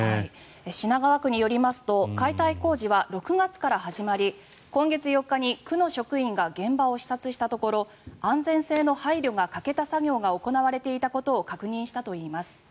品川区によりますと解体工事は６月から始まり、今月４日に区の職員が現場を視察したところ安全性の配慮が欠けた作業が行われていたことを確認したといいます。